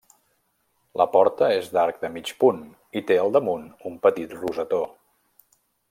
La porta és d'arc de mig punt i té al damunt un petit rosetó.